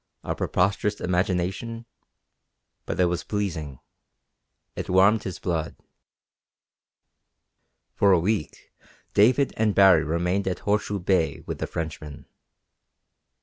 A preposterous imagination! But it was pleasing. It warmed his blood. For a week David and Baree remained at Horseshoe Bay with the Frenchman.